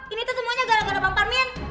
ini tuh semuanya gara gara bang parmin